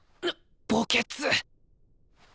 墓穴！